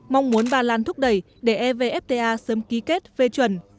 mong muốn ba lan thúc đẩy để evfta sớm ký kết phê chuẩn